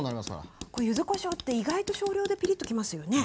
これ柚子こしょうって意外と少量でピリッときますよね。